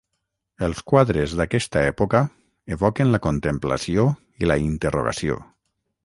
Els quadres d'aquesta època evoquen la contemplació i la interrogació.